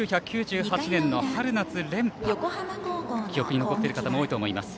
１９９８年の春夏連覇記憶に残っている方も多いと思います。